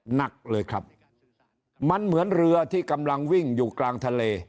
หนักเลยครับมันเหมือนเรือที่กำลังวิ่งอยู่กลางทะเล